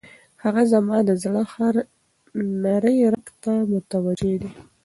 هغه زما د زړه هر نري رګ ته متوجه ده.